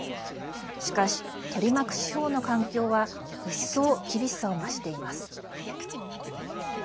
しかし取り巻く司法の環境は一層、厳しさを増しています。